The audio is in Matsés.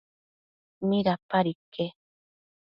¿midapad iquec?